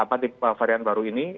apa varian baru ini